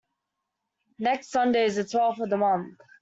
Next Sunday is the twelfth of the month.